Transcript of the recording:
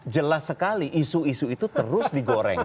jelas sekali isu isu itu terus digoreng